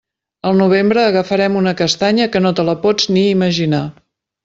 Al novembre agafarem una castanya que no te la pots ni imaginar.